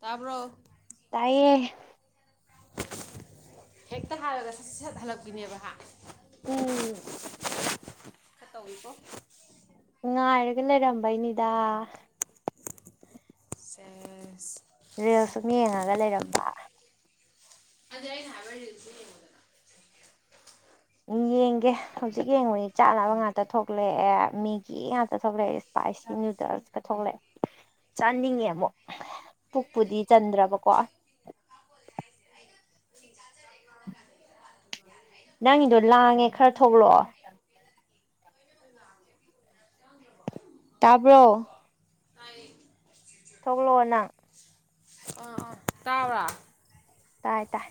ꯇꯥꯕ꯭ꯔꯣ ꯇꯥꯏꯌꯦ ꯍꯦꯛꯇ ꯍꯥꯏꯔꯒ ꯁꯠ ꯁꯠ ꯍꯜꯂꯛꯄꯤꯅꯦꯕ ꯍꯥ ꯎꯝ ꯈꯥ ꯇꯧꯏꯀꯣ ꯉꯥꯏꯔꯒ ꯂꯩꯔꯝꯕꯩꯅꯤꯗ ꯁꯦꯁ ꯔꯤꯜꯁ ꯁꯨꯝ ꯌꯦꯡꯉꯒ ꯂꯩꯔꯝꯕ ꯑꯗꯨꯗꯤ ꯑꯩꯅ ꯍꯥꯏꯕ ꯔꯤꯜꯁꯇꯣ ꯌꯦꯡꯉꯣ [inaudible] ꯌꯦꯡꯒꯦ ꯍꯧꯖꯤꯛ ꯌꯦꯡꯉꯣꯏ ꯆꯥꯅꯕ ꯉꯥꯛꯇ ꯊꯣꯛꯂꯛꯑꯦ ꯃꯦꯒꯤ ꯉꯥꯛꯇ ꯊꯣꯛꯂꯛꯔꯦ ꯏꯁꯄꯥꯏꯁꯤ ꯅꯨꯗꯜꯁꯀ ꯊꯣꯛꯂꯛꯑꯦ [inaudible] ꯆꯥꯅꯤꯡꯉꯦ ꯑꯃꯨꯛ ꯄꯨꯛꯄꯨꯗꯤ ꯆꯟꯗ꯭ꯔꯕꯀꯣ [unintelligible] ꯅꯪꯒꯤꯗꯣ ꯂꯥꯡꯉꯦ ꯈꯔ ꯊꯣꯛꯂꯛꯑꯣ ꯇꯥꯕ꯭ꯔꯣ ꯊꯣꯛꯂꯛꯑꯣ ꯅꯪ ꯑꯥ ꯑꯥ ꯇꯥꯕ꯭ꯔꯥ ꯇꯥꯏ ꯇꯥꯏ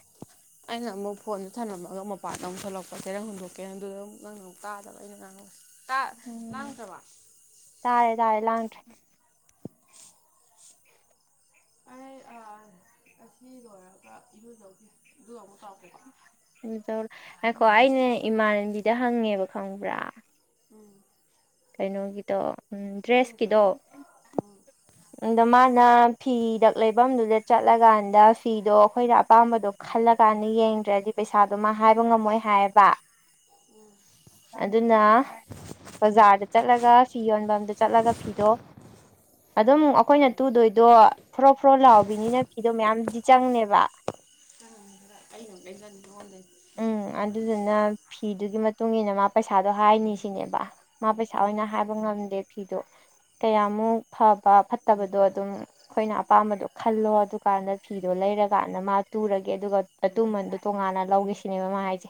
ꯑꯩꯅ ꯑꯃꯨꯛ ꯐꯣꯟꯗ ꯊꯝꯅꯝꯃꯒ ꯃꯄꯥꯟꯗ ꯑꯃꯨꯛ ꯊꯣꯛꯂꯛꯄ ꯆꯦꯔꯪ ꯍꯨꯟꯗꯣꯛꯀꯦ ꯑꯗꯨꯗ ꯑꯃꯨꯛ ꯅꯪꯅ ꯑꯃꯨꯛ ꯇꯥꯗꯕ ꯑꯩꯅ ꯉꯥꯡꯕꯁꯦ ꯇꯥ ꯎꯝ ꯂꯥꯡꯗ꯭ꯔꯕ ꯇꯥꯔꯦ ꯇꯥꯔꯦ ꯂꯥꯡꯗ꯭ꯔꯦ ꯑꯩ ꯑꯥ ꯑꯁꯤ ꯂꯣꯏꯔꯔꯒ ꯏꯔꯨꯖꯥꯔꯨꯒꯦ ꯑꯗꯨꯒ ꯑꯃꯨꯛ ꯇꯧꯔꯛꯀꯦꯀꯣ ꯂꯨꯖꯥꯔꯨꯔꯣ ꯉꯥꯏꯈꯣ ꯑꯩꯅ ꯏꯃꯥꯟꯅꯕꯤꯗ ꯍꯪꯉꯦꯕ ꯈꯪꯕ꯭ꯔꯥ ꯎꯝ ꯀꯩꯅꯣꯒꯤꯗꯣ ꯎꯝ [unintelligible] ꯑꯥꯗ ꯃꯥꯅ ꯐꯤꯗꯛ ꯂꯩꯐꯝꯗꯨꯗ ꯆꯠꯂꯀꯥꯟꯗ ꯐꯤꯗꯣ ꯑꯩꯈꯣꯏꯅ ꯑꯄꯥꯝꯕꯗꯣ ꯈꯜꯂ ꯀꯥꯟꯗ ꯌꯦꯡꯗ꯭ꯔꯗꯤ ꯄꯩꯁꯗꯣ ꯃꯥ ꯍꯥꯏꯕ ꯉꯝꯃꯣꯏ ꯍꯥꯏꯌꯦꯕ [unintelligible] ꯑꯗꯨꯅ ꯕꯖꯥꯔꯗ ꯆꯠꯂꯒ ꯐꯤ ꯌꯣꯟꯕꯝꯗ ꯆꯠꯂꯒ ꯐꯤꯗꯣ ꯑꯗꯨꯝ ꯑꯩꯈꯣꯏꯅ ꯇꯨꯗꯣꯏꯗꯣ ꯐꯣꯔꯣ ꯐꯣꯔꯣ ꯂꯥꯎꯕꯤꯅꯤꯅ ꯐꯤꯗꯣ ꯃꯌꯥꯝꯗꯤ ꯆꯪꯅꯦꯕ [unintelligible] [unintelligible] ꯎꯝ ꯑꯗꯨꯗꯨꯏꯅ ꯐꯤꯗꯨꯒꯤ ꯃꯇꯨꯡ ꯏꯟꯅ ꯃꯥ ꯄꯩꯁꯥꯗꯣ ꯍꯥꯏꯅꯤ ꯁꯤꯅꯦꯕ ꯃꯥ ꯄꯩꯁꯥ ꯑꯣꯏꯅ ꯍꯥꯏꯕ ꯉꯝꯗꯦ ꯐꯤꯗꯣ ꯀꯌꯥꯃꯨꯛ ꯐꯕ ꯐꯠꯇꯕꯗꯣ ꯑꯗꯨꯝ ꯑꯩꯈꯣꯏꯅ ꯑꯄꯥꯝꯕꯗꯣ ꯈꯜꯂꯣ ꯑꯗꯨꯀꯥꯟꯗ ꯐꯤꯗꯣ ꯂꯩꯔꯀꯥꯟꯗ ꯃꯥ ꯇꯨꯔꯒꯦ ꯑꯗꯨꯒ ꯑꯇꯨꯃꯟꯗꯣ ꯇꯣꯉꯥꯟꯅ ꯂꯧꯒꯦ ꯁꯤꯅꯦꯕ ꯃꯥ ꯍꯥꯏꯁꯦ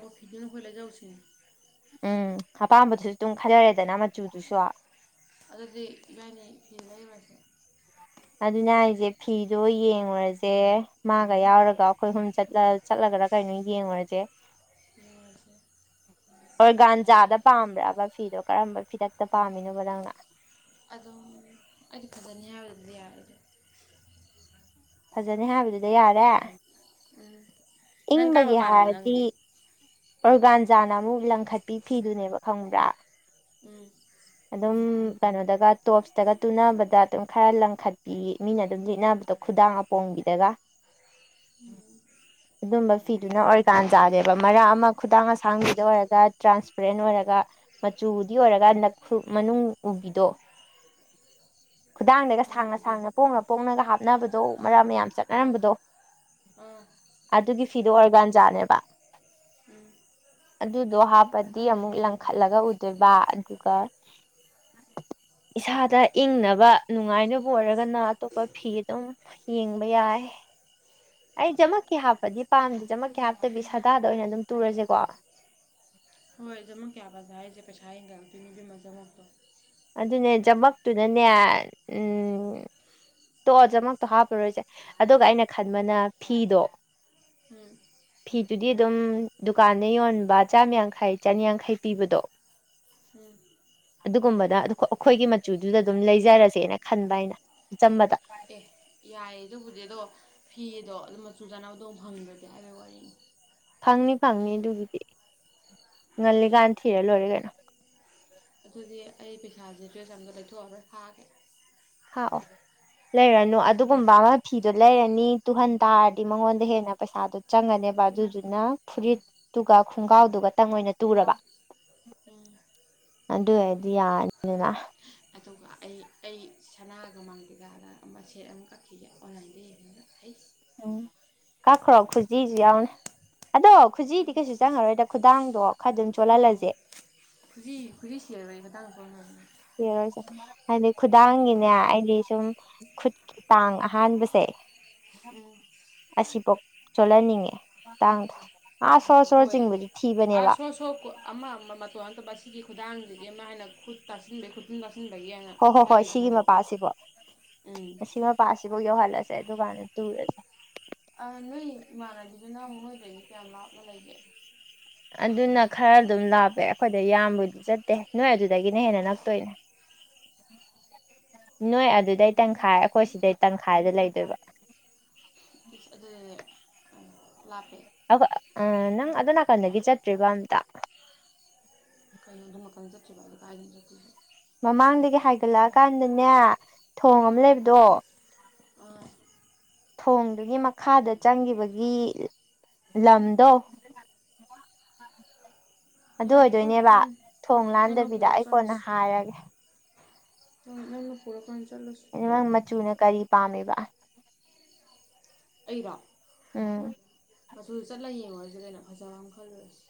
ꯑꯣ ꯐꯤꯗꯨꯅ ꯑꯩꯈꯣꯏ ꯂꯩꯖꯧꯁꯤꯅꯦ ꯎꯝ ꯑꯄꯥꯝꯕꯗꯨꯁꯨ ꯑꯗꯨꯝ ꯈꯟꯖꯔꯦꯗꯅ ꯃꯆꯨꯗꯨꯁꯨ ꯑꯗꯨꯗꯤ ꯏꯕꯥꯏꯅꯤ ꯐꯤ ꯂꯩꯔꯨꯔꯁꯦ ꯑꯗꯨꯅ ꯍꯥꯏꯁꯦ ꯐꯤꯗꯣ ꯌꯦꯡꯉꯨꯔꯁꯦ ꯃꯥꯒ ꯌꯥꯎꯔꯒ ꯑꯩꯈꯣꯏ ꯍꯨꯝ ꯆꯠꯂ ꯆꯠꯂꯒꯔ ꯀꯩꯅꯣ ꯌꯦꯡꯉꯨꯔꯁꯦ ꯌꯦꯡꯉꯨꯔꯁꯦ ꯑꯣꯔꯒꯥꯟꯖꯥꯗ ꯌꯥꯏꯌꯦ ꯄꯥꯝꯕ꯭ꯔꯥꯕ ꯐꯤꯗꯣ ꯀꯔꯝꯕ ꯐꯤꯗꯛꯇ ꯄꯥꯝꯃꯤꯅꯣꯕ ꯅꯪꯅ ꯑꯗꯨꯝ ꯑꯩꯗꯤ ꯐꯖꯅꯤ ꯍꯥꯏꯕꯗꯨꯗ ꯌꯥꯔꯦꯗ ꯑꯗꯨꯝ ꯐꯖꯅꯤ ꯍꯥꯏꯕꯗꯨꯗ ꯌꯥꯔꯦ ꯎꯝ ꯅꯪ ꯀꯔꯝꯕ ꯏꯪꯕꯒꯤ ꯄꯥꯝꯃꯤꯅꯣ ꯍꯥꯏꯔꯗꯤ ꯅꯪꯗꯤ ꯑꯣꯔꯒꯥꯟꯖꯥꯅ ꯑꯃꯨꯛ ꯂꯪꯈꯠꯄꯤ ꯐꯤꯗꯨꯅꯦꯕ ꯈꯪꯕ꯭ꯔꯥ ꯎꯝ ꯑꯗꯨꯝ ꯀꯩꯅꯣꯗꯒ ꯇꯣꯞꯁꯇꯒ ꯇꯨꯅꯕꯗ ꯑꯗꯨꯝ ꯈꯔ ꯂꯪꯈꯠꯄꯤ ꯃꯤꯅ ꯑꯗꯨꯝ ꯂꯤꯠꯅꯕꯗꯣ ꯈꯨꯗꯥꯡ ꯑꯥ ꯄꯣꯝꯕꯤꯗꯒ ꯎꯝ ꯑꯗꯨꯝꯕ ꯐꯤꯗꯨꯅ ꯑꯣꯔꯒꯥꯟꯖꯥꯅꯦꯕ ꯃꯔꯛ ꯑꯃ ꯈꯨꯗꯥꯡ ꯑꯁꯥꯡꯕꯤꯗ ꯑꯣꯏꯔꯒ ꯇ꯭ꯔꯥꯟꯁꯄꯔꯦꯟꯠ ꯑꯣꯏꯔꯒ ꯃꯆꯨꯕꯨꯗꯤ ꯑꯣꯏꯔꯒꯟꯗ ꯈꯨ ꯃꯅꯨꯡ ꯎꯕꯤꯗꯣ ꯈꯨꯗꯥꯡꯗꯒ ꯃꯃꯤꯡ ꯁꯥꯡꯅ ꯎꯒꯦ ꯁꯥꯡꯅ ꯄꯣꯡꯅ ꯄꯣꯡꯅꯒ ꯍꯥꯞꯅꯕꯗꯣ ꯃꯔꯥꯛ ꯑꯃ ꯃꯌꯥꯝ ꯑꯥ ꯆꯠꯅꯔꯝꯕꯗꯣ ꯑꯥ ꯑꯗꯨꯒꯤ ꯐꯤꯗꯣ ꯑꯣꯔꯒꯥꯟꯖꯥꯅꯦꯕ ꯎꯝ ꯑꯗꯨꯗꯣ ꯍꯥꯞꯄꯗꯤ ꯑꯃꯨꯛ ꯂꯪꯈꯠꯂꯒ ꯎꯗꯣꯏꯕ ꯑꯗꯨꯒ ꯏꯁꯥꯗ ꯏꯪꯅꯕ ꯅꯨꯡꯉꯥꯏꯅꯕ ꯑꯣꯏꯔꯒꯅ ꯑꯇꯣꯞꯄ ꯐꯤ ꯑꯗꯨꯝ ꯌꯦꯡꯕ ꯌꯥꯏ ꯑꯩ ꯖꯥꯃꯛ ꯀꯤ ꯍꯥꯞꯄꯗꯤ ꯄꯥꯝꯗꯦ ꯖꯃꯛꯀꯤ ꯍꯥꯞꯇꯕꯤ ꯁꯥꯗꯥꯗ ꯑꯣꯏꯅ ꯑꯗꯨꯝ ꯇꯨꯔꯁꯦꯀꯣ ꯍꯣꯏ ꯖꯃꯛꯀꯤ ꯍꯞꯄꯛꯀꯦ ꯍꯥꯏꯁꯦ ꯄꯩꯁꯥ ꯍꯦꯟꯒꯂꯛꯇꯣꯏꯅꯦ ꯏꯕꯦꯝꯃꯥ ꯖꯥꯃꯛꯇꯣ ꯑꯗꯨꯅꯦ ꯖꯃꯛꯇꯨꯅꯅꯦ ꯎꯝ ꯇꯣꯛꯑꯣ ꯖꯃꯛꯇꯣ ꯍꯥꯞꯄꯔꯣꯏꯁꯦ ꯑꯗꯨꯒ ꯑꯩꯅ ꯈꯟꯕꯅ ꯐꯤꯗꯣ ꯎꯝ ꯐꯤꯗꯨꯗꯤ ꯑꯗꯨꯝ ꯗꯨꯀꯥꯟꯗ ꯌꯣꯟꯕ ꯆꯥꯝꯃ ꯌꯥꯡꯈꯩ ꯆꯅꯤꯌꯥꯡꯈꯩ ꯄꯤꯕꯗꯣ ꯎꯝ ꯑꯗꯨꯒꯨꯝꯕꯗ ꯑꯩꯈꯣꯏꯒꯤ ꯃꯆꯨꯗꯨꯗ ꯑꯗꯨꯝ ꯂꯩꯖꯔꯁꯦꯅ ꯈꯟꯕ ꯑꯩꯅ ꯆꯝꯕꯗ ꯑꯦ ꯌꯥꯏꯌꯦ ꯑꯗꯨꯕꯨꯗꯤ ꯑꯗꯣ ꯐꯤꯗꯣ ꯑꯗꯣ ꯃꯆꯨ ꯆꯥꯅꯕꯗꯣ ꯑꯃꯨꯛ ꯐꯪꯗ꯭ꯔꯗꯤ ꯍꯥꯏꯕꯒꯤ ꯋꯥꯔꯤꯅꯤ ꯐꯪꯅꯤ ꯐꯪꯅꯤ ꯑꯗꯨꯒꯤꯗꯤ ꯉꯜꯂꯤꯀꯥꯟ ꯊꯤꯔ ꯂꯣꯏꯔꯦ ꯀꯩꯅꯣ ꯑꯗꯨꯗꯤ ꯑꯩ ꯄꯩꯁꯥꯁꯦ ꯗ꯭ꯔꯦꯁ ꯑꯝꯇ ꯂꯩꯊꯣꯛꯑꯔꯣꯢ ꯈꯛꯑꯒꯦ ꯈꯥꯛ ꯑꯣ ꯂꯩꯔꯅꯨ ꯑꯗꯨꯒꯨꯝꯕ ꯑꯃ ꯐꯤꯗꯣ ꯂꯩꯔꯅꯤ ꯇꯨꯍꯟ ꯇꯥꯔꯗꯤ ꯃꯉꯣꯟꯗ ꯍꯦꯟꯅ ꯄꯩꯁꯥꯗꯣ ꯆꯪꯉꯅꯦꯕ ꯑꯗꯨꯗꯨꯅ ꯐꯨꯔꯤꯠ ꯑꯗꯨꯒ ꯈꯣꯡꯒꯥꯎꯗꯨꯒ ꯇꯪ ꯑꯣꯏꯅ ꯇꯨꯔꯕ ꯎꯝ ꯑꯗꯨ ꯑꯣꯏꯔꯗꯤ ꯌꯥꯔꯅꯤꯗꯅ ꯑꯗꯨꯒ ꯑꯩ ꯑꯩ ꯁꯅꯥꯒ ꯃꯥꯡꯕꯤꯗ [unintelligible] ꯑꯃ ꯁꯦꯠ ꯑꯃ ꯀꯛꯈꯤꯒꯦ ꯑꯣꯟꯂꯥꯏꯟꯗ ꯌꯦꯡꯉꯒ ꯑꯩ ꯎꯝ ꯀꯛꯈ꯭ꯔꯣ ꯈꯨꯖꯤꯁꯨ ꯌꯥꯎꯅ ꯑꯗꯣ ꯈꯨꯖꯤꯗꯤ ꯀꯩꯁꯨ ꯆꯪꯉꯔꯣꯏꯗ ꯈꯨꯗꯥꯡꯗꯣ ꯈꯔ ꯑꯗꯨꯝ ꯑꯧ ꯆꯣꯜꯍꯜꯂꯁꯦ ꯈꯨꯖꯤ ꯈꯨꯖꯤ ꯁꯤꯔꯔꯣꯏ ꯃꯇꯥꯡ ꯌꯦꯡꯉꯥꯁꯦ ꯍꯥꯏꯗꯤ ꯈꯨꯗꯥꯡꯒꯤꯅꯦ ꯑꯩꯗꯤ ꯁꯨꯝ ꯈꯨꯠꯀꯤ ꯇꯥꯡ ꯑꯍꯥꯟꯕꯁꯦ ꯎꯝ ꯑꯁꯤꯐꯧ ꯆꯣꯜꯍꯟꯅꯤꯡꯉꯦ ꯇꯥꯡꯗ ꯑꯥ ꯁꯣꯔ ꯁꯣꯔ ꯍꯣꯏ ꯆꯤꯡꯕꯗꯤ ꯊꯤꯕꯅꯦꯕ [unintelligible] ꯑꯃ ꯑꯃ ꯃꯇꯣꯜ ꯑꯝꯇ ꯄꯥꯢꯁꯤꯟꯕꯤ ꯈꯨꯗꯥꯡꯗꯨꯗꯤ ꯑꯃ ꯍꯥꯏꯅ ꯈꯨꯠ ꯇꯥꯁꯤꯟꯕꯩ ꯈꯨꯠ ꯈꯨꯠꯇꯨꯝ ꯇꯁꯤꯟꯕꯒꯤ ꯑꯅ ꯍꯣꯏ ꯍꯣꯏ ꯍꯣꯏ ꯈꯜꯂꯤꯅꯤ ꯁꯤꯒꯤ ꯑꯁꯥꯏꯐꯧ ꯄꯥꯁꯤꯐꯥꯎ ꯌꯧꯍꯜꯂꯁꯦ ꯑꯗꯨꯀꯥꯟꯗ ꯇꯨꯔꯁꯦ ꯑꯥ ꯅꯣꯏ ꯏꯃꯥꯟꯅꯕꯤꯗꯨꯅ ꯅꯣꯏꯗꯒꯤ ꯀꯌꯥꯝ ꯂꯥꯞꯅ ꯂꯩꯒꯦ ꯑꯗꯨꯅ ꯈꯔ ꯑꯗꯨꯝ ꯂꯥꯞꯄꯦ ꯑꯩꯈꯣꯏꯗ ꯌꯥꯝꯕꯨꯗꯤ ꯆꯠꯇꯦ ꯅꯣꯏ ꯑꯗꯨꯗꯒꯤꯅ ꯍꯦꯟꯅ ꯅꯛꯇꯣꯏꯅꯦ [unintelligible] ꯅꯣꯏ ꯑꯗꯨꯗꯩ ꯇꯪꯈꯥꯏ ꯑꯩꯈꯣꯏ ꯁꯤꯗꯩ ꯇꯪꯈꯥꯏꯗ ꯂꯩꯗꯣꯏꯕ ꯑꯗꯨꯗꯤ ꯂꯥꯞꯄꯦ ꯑ ꯅꯪ ꯑꯗꯣ ꯅꯥꯀꯟꯗꯒꯤ ꯆꯠꯇ꯭ꯔꯤꯕ ꯑꯝꯇ ꯀꯩꯅꯣ ꯑꯗꯨ ꯅꯥꯀꯟꯗꯒꯤ ꯆꯠꯇ꯭ꯔꯤꯕ ꯍꯥꯏꯁꯦ ꯀꯥꯏꯗꯅꯣ ꯆꯠꯇꯣꯏꯁꯦ ꯃꯃꯥꯡꯗꯒꯤ ꯍꯥꯏꯒꯠꯂꯛꯑꯀꯥꯟꯗꯅꯦ ꯊꯣꯡ ꯑꯃ ꯆꯠꯇ꯭ꯔꯤꯁꯦ ꯂꯩꯕꯗꯣ ꯑꯥ ꯊꯣꯡꯗꯨꯒꯤ ꯃꯈꯥꯗ ꯆꯪꯈꯤꯕꯒꯤ ꯂꯝꯗꯣ ꯑꯗꯨ ꯌꯥꯔꯦ ꯇꯣꯛꯑꯣ ꯑꯣꯏꯗꯣꯏꯅꯦꯕ ꯈꯪꯉꯦ ꯊꯣꯡ ꯅꯪꯅ ꯂꯥꯟꯗꯕꯤꯗ ꯄꯨꯔ ꯑꯩ ꯀꯣꯟꯅ ꯆꯠꯂꯁꯤ ꯍꯥꯏꯔꯒꯦ ꯍ‌ꯣꯏ ꯅꯪꯅ ꯄꯨꯔꯀꯥꯟ ꯆꯠꯂꯁꯤ ꯅꯪ ꯌꯥꯔꯦ ꯃꯆꯨꯅ ꯀꯔꯤ ꯄꯥꯝꯃꯤꯕ ꯑꯩꯔꯣ ꯎꯝ ꯃꯆꯨ ꯆꯠꯂꯒ ꯌꯦꯡꯉꯨꯔꯁꯦ ꯀꯩꯅꯣ ꯐꯖꯕ ꯑꯃ ꯈꯜꯂꯨꯔꯁꯦ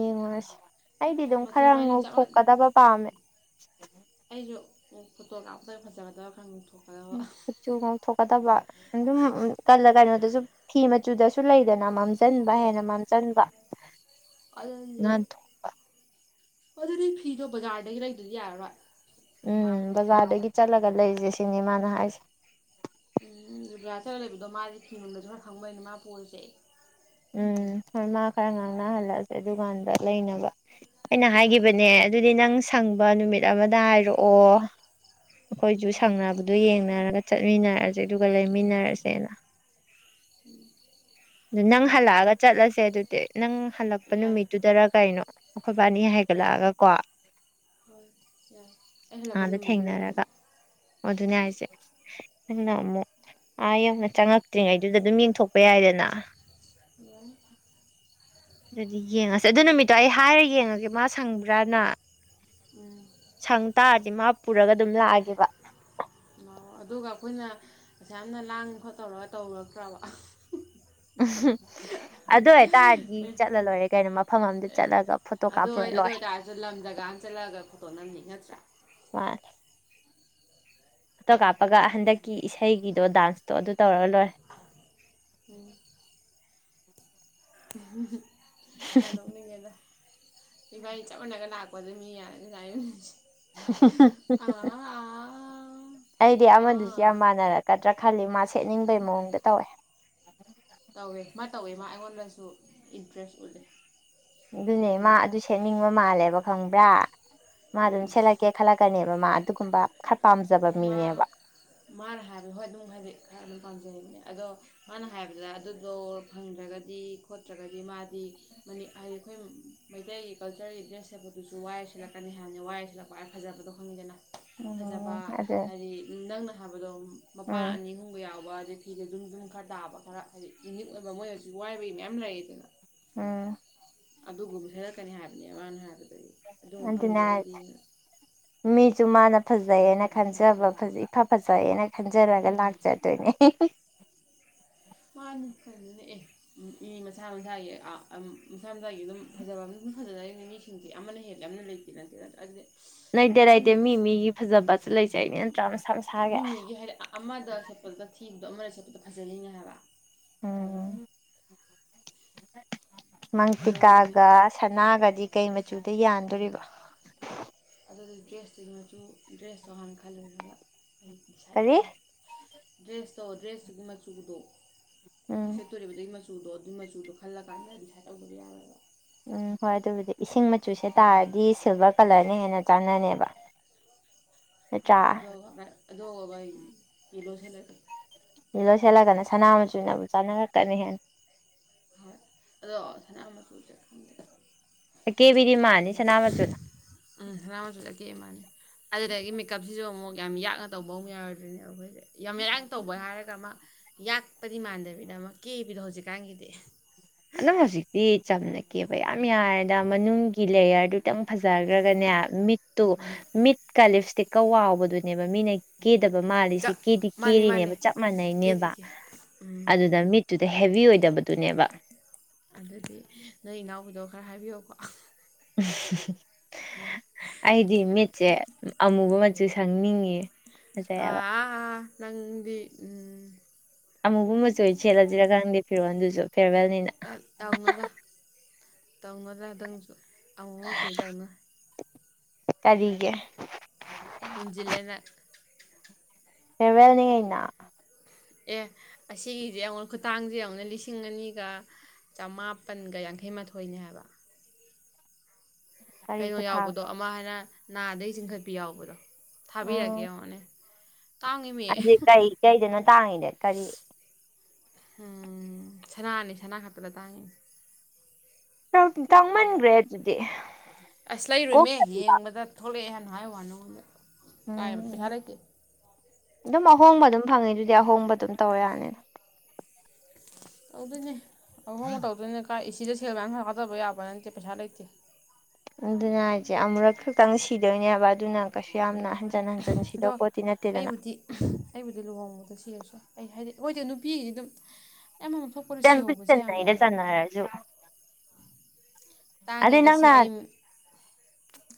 ꯌꯦꯡꯉꯨꯔꯁꯤ ꯑꯩꯗꯤ ꯑꯗꯨꯝ ꯃꯆꯨ ꯈꯔ ꯏꯕꯥꯅꯤ ꯆꯞ ꯉꯧꯊꯣꯛꯀꯗꯕ ꯄꯥꯝꯃꯦ ꯑꯩꯁꯨ ꯐꯣꯇꯣꯀꯥꯞꯄꯗ ꯐꯖꯒꯗꯕ ꯈꯔ ꯉꯧꯊꯣꯛꯀꯗꯕ ꯈꯨꯆꯨꯨ ꯉꯧꯊꯣꯛꯀꯗꯕ ꯑꯗꯨꯝ ꯀꯜꯂ ꯀꯩꯅꯣꯗꯁꯨ ꯐꯤ ꯃꯆꯨꯗꯁꯨ ꯂꯩꯗꯅ ꯃꯝꯖꯟꯕ ꯃꯝꯖꯟꯕ ꯍꯦꯟꯅ ꯂꯩ ꯃꯝꯖꯟꯕ ꯉꯥꯟꯊꯣꯛ ꯍꯣꯏ ꯑꯗꯨꯗꯤ ꯐꯤꯗꯣ ꯕꯖꯥꯔꯗꯒꯤ ꯂꯩꯗꯔꯗꯤ ꯌꯥꯔꯥꯔꯣꯏ ꯎꯝ ꯕꯖꯥꯔꯗꯒꯤ ꯆꯠꯂꯒ ꯂꯩꯖꯦ ꯁꯤꯅꯤ ꯃꯥꯅ ꯍꯥꯏꯁꯦ ꯎꯝ ꯕꯖꯥꯔ ꯆꯠꯂ ꯂꯩꯕꯗꯣ ꯃꯥꯁꯦ ꯐꯤꯅꯨꯡꯗꯁꯨ ꯈꯔ ꯈꯪꯕꯅꯤꯅ ꯃꯥ ꯄꯨꯔꯁꯦ ꯎꯝ ꯃꯥ ꯈꯔ ꯉꯥꯡꯅꯍꯜꯂꯑꯁꯦ ꯑꯗꯨꯀꯥꯟꯗ ꯂꯩꯅꯕ ꯑꯩꯅ ꯍꯥꯏꯈꯤꯕꯅꯦ ꯑꯗꯨꯗꯤ ꯅꯪ ꯁꯪꯕ ꯅꯨꯃꯤꯠ ꯑꯃꯗ ꯍꯥꯏꯔꯛꯑꯣ ꯑꯩꯈꯣꯏꯁꯨ ꯁꯪꯅꯕꯗꯨ ꯌꯦꯡꯅꯔꯒ ꯆꯠꯃꯤꯟꯅꯔꯁꯦ ꯑꯗꯨꯒ ꯂꯩꯃꯤꯟꯅꯔꯁꯦꯅ ꯎꯝ ꯑꯗꯨ ꯅꯪ ꯍꯜꯂꯛꯑꯒ ꯆꯠꯂꯁꯦ ꯑꯗꯨꯗꯤ ꯅꯪ ꯍꯜꯂꯛꯄ ꯌꯥꯏ ꯅꯨꯃꯤꯠꯇꯨꯗꯔ ꯀꯩꯅꯣ ꯑꯩꯈꯣꯏꯕꯥꯅꯤ ꯍꯣꯏ ꯍꯥꯏꯒꯠꯂꯛꯑꯒ ꯀꯣ ꯍꯣꯏ ꯌꯥꯏ ꯑꯩ ꯍꯜꯂꯛꯄ ꯑꯥꯗ ꯅꯨꯃꯤꯠꯇꯨꯗ ꯑꯗꯨꯝ ꯊꯦꯡꯅꯔꯒ ꯑꯗꯨꯅꯦ ꯍꯥꯏꯁꯦ ꯅꯪꯅ ꯑꯃꯨꯛ ꯑꯥ ꯌꯥꯝꯅ ꯆꯪꯉꯛꯇ꯭ꯔꯤꯉꯩꯗꯨꯗ ꯑꯗꯨꯝ ꯌꯦꯡꯊꯣꯛꯄ ꯌꯥꯏꯗꯅ ꯌꯥꯏ ꯑꯗꯨꯗꯤ ꯌꯦꯡꯉꯁꯦ ꯑꯗꯨ ꯅꯨꯃꯤꯠꯇꯣ ꯑꯩ ꯍꯥꯏꯔ ꯌꯦꯡꯉꯒꯦ ꯃꯥ ꯁꯪꯕ꯭ꯔꯥꯅ ꯎꯝ ꯁꯪ ꯇꯥꯔꯗꯤ ꯃꯥ ꯄꯨꯔꯒ ꯑꯗꯨꯝ ꯂꯥꯛꯑꯒꯦꯕ ꯑꯗꯨꯒ ꯑꯩꯈꯣꯏꯅ ꯑꯁꯨꯌꯥꯝꯅ ꯂꯥꯡ ꯈꯣꯠꯇꯧꯔꯒ ꯇꯧꯔꯛꯇ꯭ꯔꯕ ꯎꯝ ꯑꯗꯨ ꯑꯣꯏꯇꯥꯔꯗꯤ ꯆꯠꯂ ꯂꯣꯏꯔꯦ ꯀꯩꯅꯣ ꯃꯐꯝ ꯑꯃꯝꯗ ꯆꯠꯂꯒ ꯑꯗꯨ ꯀꯥꯞꯄꯨꯔ ꯑꯣꯏ ꯑꯗꯨ ꯂꯣꯏꯔꯦ ꯑꯣꯏꯇꯥꯔꯁꯨ ꯂꯝ ꯖꯒꯥ ꯑꯝ ꯆꯠꯂꯒ ꯐꯣꯇꯣ ꯅꯝꯅꯤ ꯅꯠꯇꯔ ꯃꯅꯦ ꯐꯣꯇꯣ ꯀꯥꯞꯄꯒ ꯍꯟꯗꯛꯀꯤ ꯏꯁꯩꯒꯤꯗꯣ ꯗꯥꯟꯁꯇꯣ ꯑꯗꯨ ꯇꯧꯔ ꯂꯣꯏꯔꯦ ꯎꯝ ꯌꯥꯝ ꯅꯣꯛꯅꯤꯡꯉꯦꯗ ꯏꯕꯥꯅꯤ ꯆꯞ ꯃꯥꯟꯅꯒ ꯂꯥꯛ [unintelligible] [unintelligible] ꯑꯩꯗꯤ ꯑꯃꯗꯨꯁꯨ ꯌꯥꯝ ꯑꯥ ꯃꯥꯟꯅꯔꯛꯀꯗ꯭ꯔꯥ ꯈꯜꯂꯤ ꯃꯥ ꯁꯦꯠꯅꯤꯡꯕꯩ ꯃꯑꯣꯡꯗ ꯇꯧꯋꯦ ꯇꯧꯋꯦ ꯃꯥ ꯇꯧꯋꯦ ꯃꯥ ꯑꯩꯉꯣꯟꯗꯁꯨ ꯏꯟꯇꯔꯦꯁ ꯎꯠꯂꯦ ꯑꯗꯨꯅꯦ ꯃꯥ ꯁꯛꯅꯤꯡꯕꯒꯤ ꯑꯗꯨ ꯁꯦꯠꯅꯤꯡꯕ ꯃꯥꯜꯂꯦꯕ ꯈꯪꯕ꯭ꯔꯥ ꯃꯥ ꯑꯗꯨꯝ ꯎꯝ ꯁꯦꯠꯂꯛꯀꯦ ꯈꯜꯂꯛꯀꯅꯦꯕ ꯃꯥ ꯑꯗꯨꯒꯨꯝꯕ ꯈꯔ ꯄꯥꯝꯖꯕ ꯃꯥ ꯃꯤꯅꯦꯕ ꯃꯥꯅ ꯍꯥꯏꯕ ꯍꯣꯏ ꯑꯗꯨꯝ ꯍꯥꯏꯗꯤ ꯈꯔ ꯑꯗꯨꯝ ꯄꯥꯝꯖꯩꯕꯅꯦ ꯑꯗꯣ ꯃꯥꯅ ꯍꯥꯏꯕꯗ ꯑꯗꯨꯗꯣ ꯐꯪꯗ꯭ꯔꯒꯗꯤ ꯈꯣꯠꯇ꯭ꯔꯒꯗꯤ ꯃꯥꯗꯤ ꯃꯅꯤ ꯍꯥꯏꯗꯤ ꯑꯈꯣꯏ ꯃꯩꯇꯩꯒꯤ ꯀꯜꯆꯔꯒꯤ ꯗ꯭ꯔꯦꯁ ꯁꯦꯠꯄꯗꯨꯁꯨ ꯋꯥꯏꯔ ꯁꯦꯠꯂꯛꯀꯅꯤ ꯍꯥꯏꯕꯅꯦ ꯋꯥꯏꯔꯁꯦꯠꯂꯛ ꯈ꯭ꯋꯥꯏ ꯐꯖꯕꯗꯣ ꯈꯪꯉꯤꯗꯅ ꯎꯝ ꯑꯗꯨ ꯑꯗꯤ ꯅꯪꯅ ꯍꯥꯏꯕꯗꯣ ꯃꯄꯥ ꯎꯝ ꯑꯅꯤꯍꯨꯝꯕꯒ ꯌꯥꯎꯕ ꯑꯗꯩ ꯐꯤꯗ ꯑꯗꯨꯝ ꯗꯨꯝ ꯈꯔ ꯇꯥꯕ ꯈꯔ ꯍꯥꯏꯗꯤ ꯌꯨꯅꯤꯛ ꯑꯣꯏꯕ ꯃꯣꯏ ꯍꯧꯖꯤꯛ ꯋꯥꯏꯕꯩ ꯃꯌꯥꯝ ꯂꯩꯗꯅ ꯎꯝ ꯑꯗꯨꯒꯨꯝꯕ ꯁꯦꯔꯛꯀꯅꯤ ꯍꯥꯏꯕꯅꯦ ꯃꯥꯅ ꯍꯥꯏꯕꯗꯒꯤ ꯑꯗꯨꯅꯦ ꯍꯥꯏꯁꯦ [inaudible] ꯃꯤꯁꯨ ꯃꯥꯅ ꯐꯖꯩꯌꯦꯅ ꯈꯟꯖꯕ ꯐꯖꯩ ꯏꯐ ꯐꯖꯩꯑꯦꯅ ꯈꯟꯖꯔꯒ ꯂꯥꯛꯆꯗꯣꯏꯅꯦ ꯃꯥꯅꯤ ꯀꯩꯅꯣꯅꯦ ꯑꯦ ꯎꯝ ꯏ ꯃꯁꯥ ꯃꯁꯥꯒꯤ ꯑ ꯑꯝ ꯃꯁꯥ ꯃꯁꯥꯒꯤ ꯑꯗꯨꯝ ꯐꯖꯕ ꯑꯝ ꯑꯗꯨꯝ ꯐꯖꯅꯔꯤꯅꯤ ꯃꯤꯁꯤꯡꯁꯦ ꯑꯃꯅ ꯍꯦꯜꯂꯦ ꯑꯃꯅ ꯂꯩ ꯇꯤꯅ ꯇꯤꯅ ꯑꯗꯨꯗꯤ ꯂꯩꯇꯦ ꯑꯗꯨꯝ ꯂꯩꯇꯦ ꯃꯤ ꯃꯤꯒꯤ ꯐꯖꯕꯁꯨ ꯂꯩꯖꯩꯅꯦ ꯅꯠꯇ꯭ꯔꯥ ꯃꯁꯥꯒꯤ ꯃꯤ ꯃꯤꯒꯤ ꯍꯥꯏꯗꯤ ꯑ ꯑꯃꯗ ꯁꯦꯠꯄꯗꯨꯗ ꯊꯤꯕꯗꯣ ꯑꯃꯗ ꯁꯦꯠꯄꯗ ꯐꯖꯜꯂꯤꯅꯦ ꯍꯥꯏꯕ ꯎꯝ ꯑꯗꯣ ꯍꯥꯏ ꯃꯪꯇꯤꯀꯥꯒ ꯁꯅꯥꯒꯗꯤ ꯀꯩ ꯃꯆꯨꯗ ꯌꯥꯟꯗꯣꯔꯤꯕ ꯑꯗꯨꯗꯨ ꯗ꯭ꯔꯦꯁꯇꯨꯒꯤ ꯃꯆꯨ ꯗ꯭ꯔꯦꯁꯇꯣ ꯍꯥꯟꯅ ꯈꯜꯂꯨꯔꯒ ꯑꯩ ꯗꯤꯁꯥꯏꯠ ꯀꯔꯤ ꯇꯧꯔ ꯗ꯭ꯔꯦꯁ ꯇꯣ ꯗ꯭ꯔꯦꯁꯇꯨꯒꯤ ꯃꯆꯨꯗꯣ ꯈꯣꯏ ꯎꯝ ꯁꯦꯠꯇꯣꯔꯤꯕꯗꯨꯒꯤ ꯃ ꯆꯨꯗꯣ ꯑꯗꯨ ꯃꯆꯨꯗꯣ ꯈꯜꯂ ꯀꯥꯟꯗ ꯗꯤꯁꯥꯏꯠ ꯇꯧꯗꯕ ꯌꯥꯔꯣꯏꯕ ꯎꯝ ꯍꯣꯏ ꯑꯗꯨꯕꯨꯗꯤ ꯏꯁꯤꯡ ꯃꯆꯨꯁꯦ ꯇꯥꯔꯗꯤ ꯁꯤꯜꯚꯔ ꯀꯂꯔꯅ ꯍꯦꯟꯅ ꯆꯥꯟꯅꯅꯦꯕ ꯑ ꯅꯠꯇ꯭ꯔꯥ ꯑꯗꯣ ꯕꯔꯥꯏꯠ ꯑꯗꯣ ꯕꯩ ꯌꯦꯜꯂꯣ ꯁꯦꯠꯂ ꯌꯦꯜꯂꯣ ꯁꯦꯠꯂꯒꯅ ꯁꯅꯥ ꯃꯆꯨꯅꯕꯨ ꯆꯥꯅꯔꯛꯀꯅꯤ ꯍꯦꯟꯅ ꯍꯣꯏ ꯑꯗꯣ ꯁꯅꯥ ꯃꯆꯨꯖꯦ ꯈꯪꯗꯦ ꯑꯀꯦꯕꯤꯗꯤ ꯃꯥꯟꯅꯤ ꯁꯅꯥ ꯃꯆꯨꯅ ꯎꯝ ꯁꯅꯥ ꯃꯆꯨꯖꯦ ꯑꯀꯦ ꯃꯥꯥꯟꯅꯤ ꯑꯗꯨꯗꯒꯤ ꯃꯦꯀꯞꯁꯤꯁꯨ ꯑꯃꯨꯛ ꯌꯥꯝ ꯌꯥꯛꯅ ꯇꯧꯕ ꯑꯃꯨꯛ ꯌꯥꯔꯗ꯭ꯔꯤꯅꯦꯕ ꯑꯈꯣꯏꯁꯦ ꯌꯥꯝ ꯏꯔꯥꯡ ꯇꯧꯕ ꯍꯥꯏꯔꯒ ꯑꯃ ꯌꯥꯛꯄꯗꯤ ꯃꯥꯟꯗꯕꯤꯗ ꯑꯃ ꯀꯦꯕꯤꯗꯣ ꯍꯧꯖꯤꯛꯀꯥꯟꯒꯤꯗꯤ ꯅꯪ ꯍꯧꯖꯤꯛꯇꯤ ꯆꯝꯅ ꯀꯦꯕ ꯌꯥꯝ ꯌꯥꯔꯦꯗ ꯃꯅꯨꯡꯒꯤ ꯂꯦꯌꯔꯗꯨ ꯇꯪ ꯐꯖꯒ꯭ꯔꯒꯅꯦ ꯃꯤꯠꯇꯨ ꯃꯤꯠ ꯀ ꯂꯤꯞꯁꯇꯤꯛꯀ ꯋꯥꯎꯕꯗꯨꯅꯦꯕ ꯃꯤꯅ ꯀꯦꯗꯕ ꯃꯥꯜꯂꯤꯁꯤ ꯆꯞ ꯀꯦꯗꯤ ꯃꯥꯅꯦ ꯃꯥꯅꯦ ꯀꯦꯔꯤꯅꯦꯕ ꯆꯞ ꯀꯦꯗꯤ ꯃꯥꯟꯅꯩꯅꯦꯕ ꯀꯦ ꯎꯝ ꯑꯗꯨꯗ ꯃꯤꯠꯇꯨꯗ ꯍꯦꯕꯤ ꯑꯣꯏꯗꯕꯗꯨꯅꯦꯕ ꯑꯗꯨꯗꯤ ꯅꯣꯏ ꯏꯅꯥꯎꯄꯤꯗꯣ ꯈꯔ ꯍꯥꯏꯕꯤꯌꯣꯀꯣ ꯑꯩꯗꯤ ꯃꯤꯠꯁꯦ ꯑꯃꯨꯕ ꯃꯆꯨ ꯁꯪꯅꯤꯡꯉꯤꯌꯦ ꯑꯥ ꯅꯪꯗꯤ ꯎꯝ ꯑꯃꯨꯕ ꯃꯆꯨ ꯑꯣꯏꯅ ꯁꯦꯠꯂꯁꯤꯔ ꯈꯪꯗꯤ ꯐꯤꯔꯣꯜꯗꯨꯁꯨ ꯐꯦꯔꯋꯦꯜꯅꯤꯅ ꯍꯦꯠ ꯇꯧꯅꯨꯗ ꯇꯧꯅꯨꯗ ꯅꯪꯁꯨ ꯑꯃꯨꯕ ꯃꯆꯨꯗꯤ‌ ꯇꯧꯅꯨ ꯀꯔꯤꯒꯤ ꯊꯤꯟꯖꯤꯂꯦ ꯅꯣꯏ ꯐꯦꯌꯔꯋꯦꯜꯅꯤ ꯀꯩꯅꯣ ꯑꯦ ꯑꯁꯤꯒꯤꯁꯦ ꯌꯦꯡꯉꯣ ꯈꯨꯠꯇꯥꯡꯁꯦ ꯌꯦꯡꯉꯣ ꯂꯤꯁꯤꯡ ꯑꯅꯤꯒ ꯆꯃꯥꯄꯟꯒ ꯌꯥꯡꯈꯩ ꯃꯥꯊꯣꯏꯅꯦ ꯍꯥꯏꯕ ꯀꯔꯤ ꯀꯩꯅꯣ ꯌꯥꯎꯕꯗꯣ ꯈꯨꯊꯥꯡꯅꯣ ꯑꯃ ꯍꯥꯏꯅ ꯅꯥꯗꯩ ꯆꯤꯡꯈꯠꯄꯤ ꯌꯥꯎꯕꯗꯣ ꯊꯕꯤꯔꯛꯀꯦ ꯌꯦꯡꯉꯣꯅꯦ ꯇꯥꯡꯉꯤꯃꯤ ꯑꯗꯨ ꯀꯩ ꯀꯩꯗꯅꯣ ꯇꯥꯡꯉꯤꯗꯤ ꯀꯔꯤ ꯎꯝ ꯁꯅꯥꯅꯤ ꯁꯅꯥ ꯈꯛꯇꯗ ꯇꯥꯡꯉꯤꯅꯦ ꯇꯥꯡꯃꯟꯈ꯭ꯔꯦ ꯑꯗꯨꯗꯤ ꯑꯁ ꯂꯩꯔꯣꯏꯃꯦ ꯀꯣꯛꯇꯕꯤꯗ ꯌꯦꯡꯕꯗ ꯊꯣꯛꯂꯛꯑꯦ ꯍꯥꯏꯅ ꯍꯥꯏꯕꯩ ꯋꯥꯅꯤ ꯅꯉꯣꯟꯗ ꯀꯥꯏꯗꯒꯤ ꯄꯩꯁꯥ ꯎꯝ ꯂꯩꯇꯦ ꯑꯗꯨꯝ ꯑꯍꯣꯡꯕ ꯑꯗꯨꯝ ꯐꯪꯉꯤ ꯑꯗꯨꯗꯤ ꯑꯍꯣꯡꯕ ꯑꯗꯨꯝ ꯇꯧꯔ ꯌꯥꯅꯤꯗ ꯇꯧꯗꯣꯏꯅꯦ ꯑꯍꯣꯡꯕ ꯇꯧꯗꯣꯏꯅꯦ ꯀꯥꯏ ꯏꯁ ꯁꯤꯗ ꯁꯦꯜ ꯃꯌꯥꯝ ꯊꯥꯗꯕ ꯌꯥꯕ ꯅꯠꯇꯦ ꯄꯩꯁꯥ ꯂꯩꯇꯦ ꯑꯗꯨꯅ ꯍꯥꯏꯁꯦ ꯑꯃꯨꯔꯛ ꯈꯛꯇꯪ ꯁꯤꯗꯣꯏꯅꯦꯕ ꯑꯗꯨꯅ ꯀꯩꯁꯨ ꯌꯥꯝꯅ ꯍꯟꯖꯟ ꯍꯟꯖꯟ ꯑꯗꯣ ꯁꯤꯗꯧ ꯄꯣꯠꯇꯤ ꯅꯠꯇꯦꯗꯅ ꯑꯩꯕꯨꯗꯤ ꯑꯩꯕꯨꯗꯤ ꯂꯨꯍꯣꯡꯕꯗ ꯁꯤꯔꯁꯨ ꯌꯥꯏ ꯑꯩ ꯍꯥꯏꯗꯤ ꯍꯣꯏꯗꯤ ꯅꯨꯄꯤꯒꯤꯗꯤ ꯑꯗꯨꯝ ꯑꯩ ꯑꯃꯃꯝ ꯊꯣꯛꯄꯗ ꯁꯤꯍꯧꯕꯁꯦ ꯌꯥꯝ ꯌꯥꯏꯑꯥꯕ ꯍꯥꯏꯔꯖꯨ ꯑꯗꯩ ꯇꯥꯡꯉꯦꯗ ꯅꯪ ꯁꯤ ꯑꯩ ꯅꯍꯥꯟ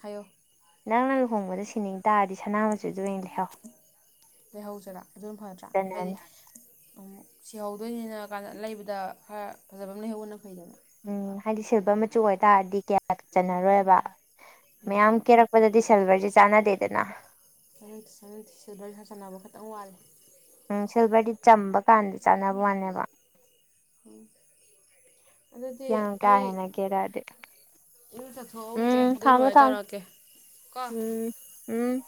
ꯍꯥꯏꯌꯣ ꯅꯪꯅ ꯂꯨꯍꯣꯡꯕꯗ ꯁꯤꯅꯤꯡ ꯇꯥꯔꯗꯤ ꯁꯅꯥꯃꯆꯨꯖꯦ ꯑꯣꯏꯅ ꯂꯩꯍꯧ ꯂꯩꯍꯧꯖꯤꯔꯥ ꯑꯗꯨꯅ ꯐꯗ꯭ꯔꯥ ꯍꯥꯏꯗꯤ ꯆꯟꯅꯅꯤ ꯑꯣ ꯁꯤꯍꯧꯗꯣꯏꯅꯤꯅ ꯀꯥꯟꯗ ꯂꯩꯕꯗ ꯈꯔ ꯐꯖꯕ ꯑꯃ ꯂꯩꯍꯧꯕꯅ ꯐꯩꯗꯅ ꯎꯝ ꯍꯥꯏꯗꯤ ꯁꯤꯜꯚꯔ ꯃꯆꯨ ꯑꯣꯏꯇꯥꯔꯗꯤ ꯀꯌꯥ ꯆꯟꯅꯔꯣꯏꯕ ꯃꯌꯥꯝ ꯀꯦꯔꯛ ꯃꯠꯗꯗꯤ ꯁꯤꯜꯚꯔꯁꯦ ꯆꯥꯟꯅꯗꯦꯗꯅ ꯆꯥꯟꯅꯗꯦ ꯆꯥꯟꯅꯗꯦ ꯁꯤꯜꯚꯔ ꯁꯥꯖꯟꯅꯕ ꯈꯤꯇꯪ ꯋꯥꯠꯂꯦ ꯎꯝ ꯁꯤꯜꯚꯔꯗꯤ ꯆꯝꯕ ꯀꯥꯟꯗ ꯆꯥꯟꯅꯕꯩ ꯋꯥꯅꯦꯕ ꯎꯝ ꯑꯗꯨꯗꯤ ꯌꯥꯝ ꯀꯥ ꯑꯩ ꯍꯦꯟꯅ ꯀꯦꯔꯛꯑꯗꯤ ꯏꯔꯨꯖꯊꯣꯛꯍꯧꯈꯤꯒꯦ ꯎꯝ ꯑꯗꯨ ꯊꯝꯃꯣ ꯂꯣꯏꯔꯒ ꯊꯝꯃꯣ ꯇꯧꯔꯛꯀꯦ ꯀꯣ ꯎꯝ ꯎꯝ